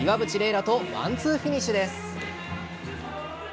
楽とワンツーフィニッシュです。